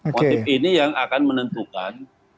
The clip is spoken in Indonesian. motif ini yang akan menentukan